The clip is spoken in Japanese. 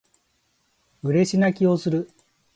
嬉し泣きをする